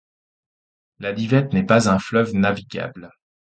La Divette n'est pas un fleuve navigable.